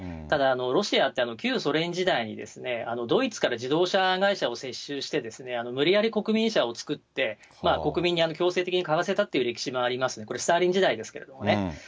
ただ、ロシアって、旧ソ連時代にドイツから自動車会社を接収して、無理やり国民車を作って、国民に強制的に買わせたっていう歴史がありますね、これ、スターリン時代ですけどもね。